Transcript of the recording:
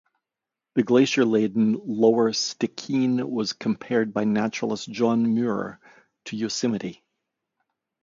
The glacier-laden lower Stikine was compared by naturalist John Muir to Yosemite.